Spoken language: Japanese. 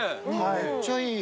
めっちゃいい。